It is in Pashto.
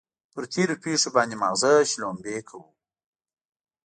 پر تېرو پېښو باندې ماغزه شړومبې کوو.